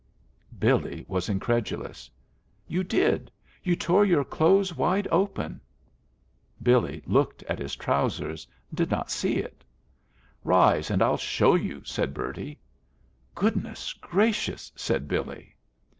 Billy was incredulous. "You did. You tore your clothes wide open." Billy, looking at his trousers, did not see it. "Rise, and I'll show you," said Bertie. "Goodness gracious!" said Billy.